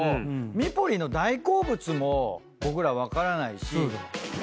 ミポリンの大好物も僕ら分からないし。